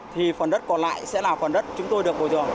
thì phần đất còn lại sẽ là phần đất chúng tôi được bồi rồi